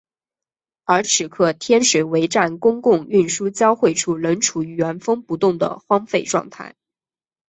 而此刻天水围站公共运输交汇处仍处于原封不动的荒废状态。